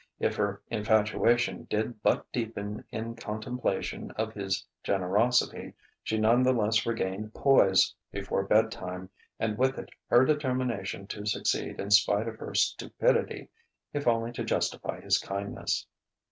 If her infatuation did but deepen in contemplation of his generosity, she none the less regained poise before bedtime and with it her determination to succeed in spite of her stupidity, if only to justify his kindness.